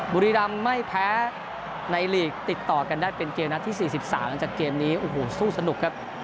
บุรีรัมย์ไม่แพ้ในลีกติดต่อกันได้เป็นเกมนะที่สี่สิบสามอันจากเกมนี้โอ้โหสู้สนุกครับ